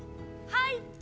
はい。